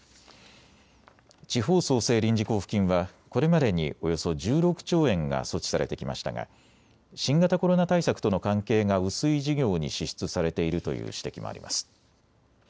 地方創生臨時交付金はこれまでにおよそ１６兆円が措置されてきましたが新型コロナ対策との関係が薄い事業に支出されているという指摘もあります。